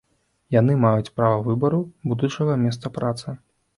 Яны маюць права выбару будучага месца працы.